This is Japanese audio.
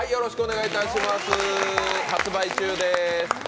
発売中です。